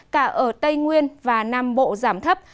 cả ở tây nguyên và nam bộ giảm thấp